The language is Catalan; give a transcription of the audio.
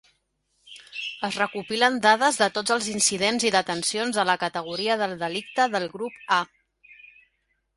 Es recopilen dades de tots els incidents i detencions de la categoria del delicte del grup A.